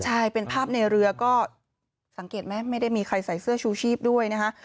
ใช่เป็นภาพในเรือก็สังเกตไหมไม่ได้มีใครใส่เสื้อชูชีพด้วยนะคะ